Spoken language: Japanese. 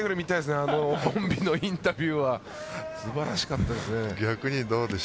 あのインタビューは素晴らしかったです。